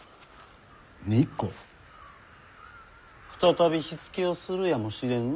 再び火付けをするやもしれぬなあ。